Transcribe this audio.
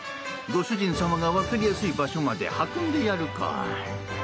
ご主人様が分かりやすい場所まで運んでやるか。